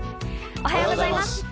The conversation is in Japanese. おはようございます。